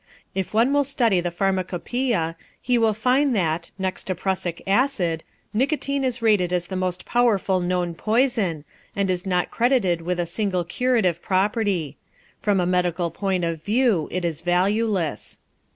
If one will study the pharmacopoeia, he will find that, next to prussic acid, nicotine is rated as the most powerful known poison, and is not credited with a single curative property. From a medical point of view it is valueless.